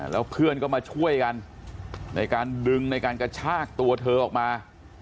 แล้วเพื่อนก็มาช่วยกันในการดึงในการกระชากตัวเธอออกมา